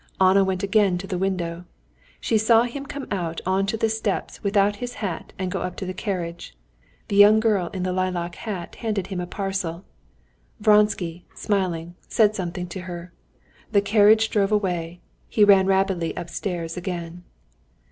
Anna went again to the window. She saw him come out onto the steps without his hat and go up to the carriage. The young girl in the lilac hat handed him a parcel. Vronsky, smiling, said something to her. The carriage drove away, he ran rapidly upstairs again.